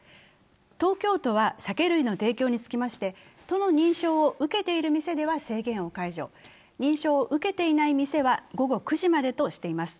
東京都は酒類の提供につきまして都の認証を受けている店では制限を解除、認証を受けていない店は午後９時までとしています。